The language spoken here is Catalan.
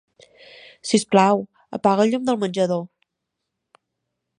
Si us plau, apaga el llum del menjador.